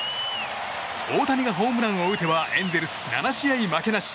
大谷がホームランを打てばエンゼルス、７試合負けなし。